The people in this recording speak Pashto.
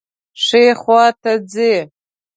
ښي خواته ځئ